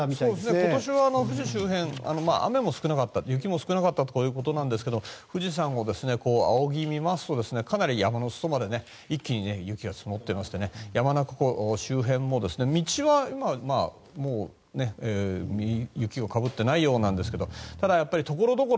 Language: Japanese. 今年は富士周辺雨も少なかった雪も少なかったということなんですが富士山を仰ぎ見ますとかなり裾まで一気に雪が積もっていまして山中湖周辺も、道は今もう雪はかぶってないようですけどただ、ところどころ